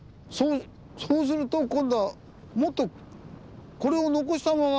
そうすると今度はもっとこれを残したまま。